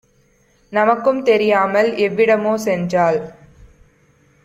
நமக்கும் தெரியாமல் எவ்விடமோ சென்றாள்.